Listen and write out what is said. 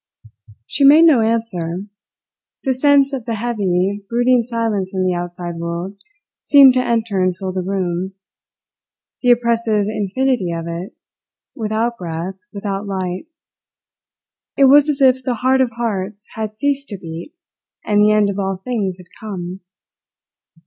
She made no answer. The sense of the heavy, brooding silence in the outside world seemed to enter and fill the room the oppressive infinity of it, without breath, without light. It was as if the heart of hearts had ceased to beat and the end of all things had come.